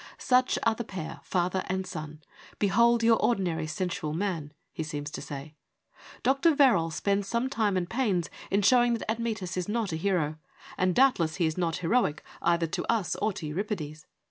' Such are the pair, father and son : behold your ordinary sensual man,' he seems to say. Dr. Verrall spends some time and pains in showing that Admetus is not a hero, and, doubtless, he is not heroic either to us or to Euripides.